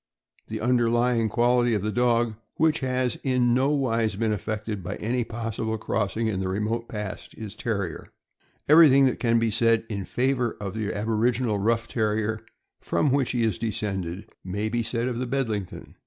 The underlying quality of the dog, which has in nowise been affected by any possible crossing in the remote past, is Terrier. Everything that can be said in favor of the aboriginal rough Terrier, from which he is descended, may be said of the Bedlington.